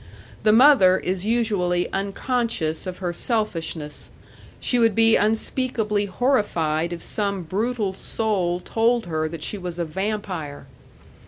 The mother is usually unconscious of her selfishness; she would be unspeakably horrified if some brutal soul told her that she was a vampire.